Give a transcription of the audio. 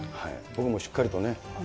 僕もしっかりとね。